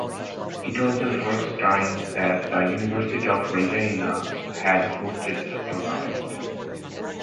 It was the first time that the University of Regina had hosted the tournament.